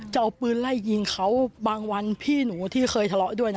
จะเอาปืนไล่ยิงเขาบางวันพี่หนูที่เคยทะเลาะด้วยนะ